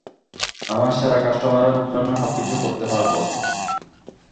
আমার সেরা কাস্টোমারের জন্য সবকিছু করতে পারব।